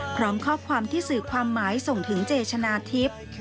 พร้อมข้อความที่สื่อความหมายส่งถึงเจชนะทิพย์